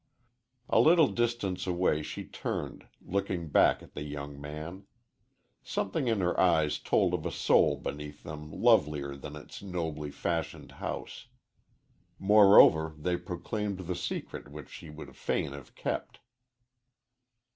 A little distance away she turned, looking back at the young man. Something in her eyes told of a soul beneath them lovelier than its nobly fashioned house. Moreover, they proclaimed the secret which she would fain have kept.